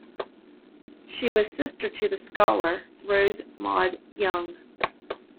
She was sister to the scholar Rose Maud Young.